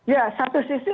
ya satu sisi